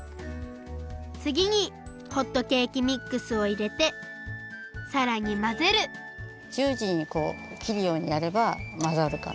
つぎにホットケーキミックスをいれてさらにまぜるじゅうじにこう切るようにやればまざるから。